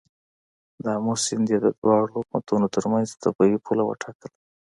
د آمو سیند یې د دواړو حکومتونو تر منځ طبیعي پوله وټاکه.